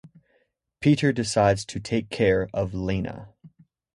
Peter decides to take care of Lena.